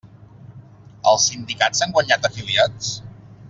Els sindicats han guanyat afiliats?